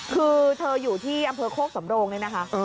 คือเธออยู่ที่อำเภอโคกสำโรงนี่นะคะ